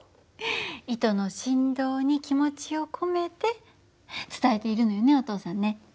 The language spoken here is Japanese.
糸の振動に気持ちを込めて伝えているのよねお父さんね。